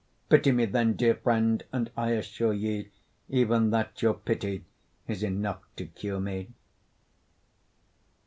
Pity me then, dear friend, and I assure ye, Even that your pity is enough to cure me.